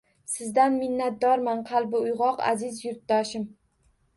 Sizdan minnatdorman, qalbi uyg`oq aziz yurtdoshim